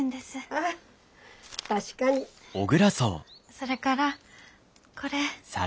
それからこれ。